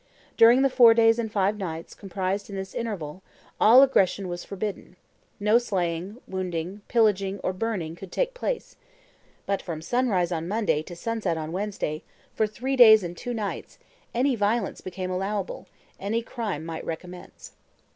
During the four days and five nights comprised in this interval, all aggression was forbidden; no slaying, wounding, pillaging, or burning could take place; but from sunrise on Monday to sunset on Wednesday, for three clays and two nights, any violence became allowable, any crime might recommence.